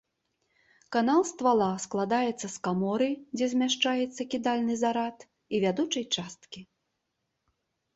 Канал ствала складаецца з каморы, дзе змяшчаецца кідальны зарад, і вядучай часткі.